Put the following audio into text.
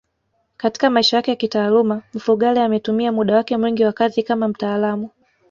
Katika maisha yake ya kitaaluma Mfugale ametumia muda wake mwingi wa kazi kama mtaalamu